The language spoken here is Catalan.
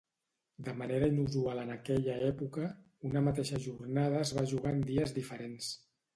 De manera inusual en aquella època, una mateixa jornada es va jugar en dies diferents.